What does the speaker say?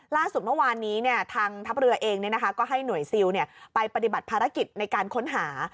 ล่าสุดเมื่อวานนี้ทางทัพเรือเองก็ให้หน่วยซิลไปปฏิบัติภารกิจในการค้นหา